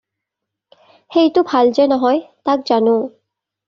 সেইটো ভাল যে নহয় তাক জানোঁ।